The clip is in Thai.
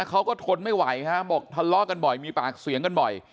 เขาก็ทนไม่ไหวฮะบอกทะเลาะกันบ่อยมีปากเสียงกันบ่อย